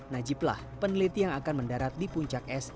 najiblah peneliti yang akan mendarat di puncak es